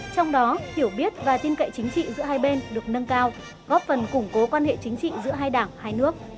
trong đó hiểu biết và tin cậy chính trị giữa hai bên được nâng cao góp phần củng cố quan hệ chính trị giữa hai đảng hai nước